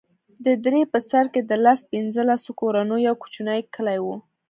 د درې په سر کښې د لس پينځه لسو کورونو يو کوچنى کلى و.